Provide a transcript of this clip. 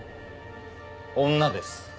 女です。